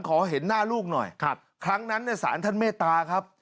เห็นหน้าลูกหน่อยครั้งนั้นเนี่ยสารท่านเมตตาครับ